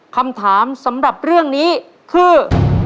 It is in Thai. คำถามสำหรับเรื่องนี้คือ